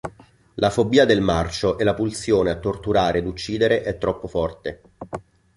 La fobia del marcio e la pulsione a torturare ed uccidere è troppo forte.